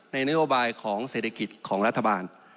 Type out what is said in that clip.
นโยบายของเศรษฐกิจของรัฐบาล